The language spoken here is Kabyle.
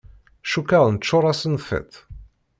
Cukkeɣ neččur-asen tiṭ.